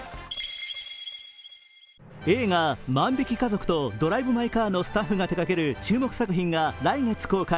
映画「万引き家族」と「ドライブ・マイ・カー」のスタッフが手がける注目作品が来月公開。